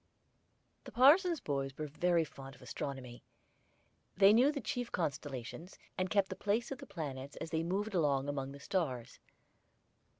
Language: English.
The parson's boys were very fond of astronomy. They knew the chief constellations, and kept the place of the planets as they moved along among the stars.